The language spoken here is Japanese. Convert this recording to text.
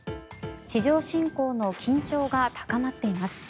地上侵攻の緊張が高まっています。